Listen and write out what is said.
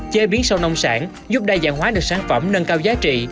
chế biến sâu nông sản giúp đa dạng hóa được sản phẩm nâng cao giá trị